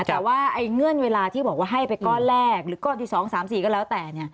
แต่ว่าเงื่อนเวลาที่บอกว่าให้ไปก้อนแรกหรือก้อนที่๒๓๔ก็แล้วแต่